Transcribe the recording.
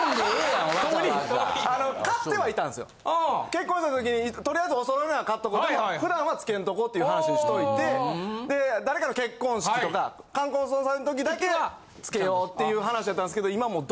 結婚したときにとりあえずお揃いのは買っとこうって普段はつけんとこうっていう話をしといて誰かの結婚式とか冠婚葬祭のときだけつけようっていう話やったんですけど今もう。